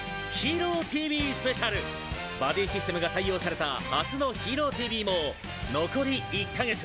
バディシステムが採用された初の「ＨＥＲＯＴＶ」も残り１か月。